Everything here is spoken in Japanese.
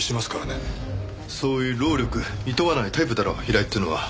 そういう労力いとわないタイプだろ平井っていうのは。